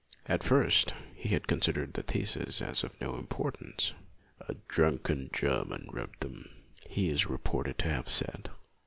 At first, he had considered the theses as of no importance. " A drunken German wrote them," he is reported to have said.